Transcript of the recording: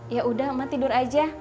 ya udah mah tidur aja